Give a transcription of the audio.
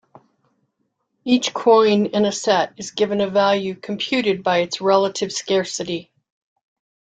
Each coin in a set is given a value computed by its relative scarcity.